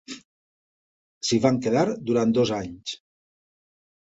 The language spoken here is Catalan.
S'hi van quedar durant dos anys.